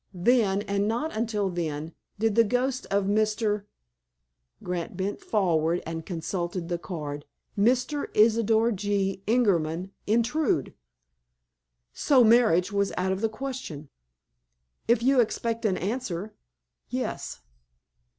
Then, and not until then, did the ghost of Mr."—Grant bent forward, and consulted the card—"Mr. Isidor G. Ingerman intrude." "So marriage was out of the question?" "If you expect an answer—yes."